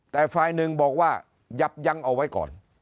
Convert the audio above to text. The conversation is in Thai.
แต่ฝ่ายหนึ่งบอกว่ายับยั้งเอาไว้ก่อน